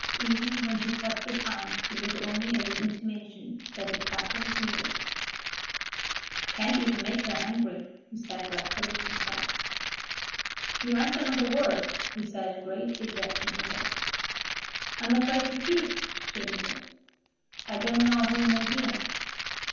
Even when she pressed his arm it was only as an intimation that the castle was needed. "I can't even make her angry," he said wrathfully to himself. "You answer not a word," he said in great dejection to her. "I am afraid to speak," she admitted. "I don't know who may hear."